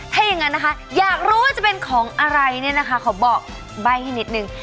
ถ้าอย่างนั้นนะคะอยากรู้ว่าจะเป็นของอะไรเนี่ยนะคะขอบอกใบ้ให้นิดนึง